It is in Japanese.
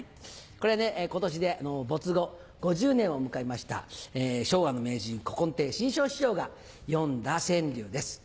これ今年で没後５０年を迎えました昭和の名人古今亭志ん生師匠が詠んだ川柳です。